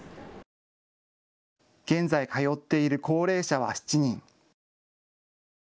現在、通っている高齢者は７人。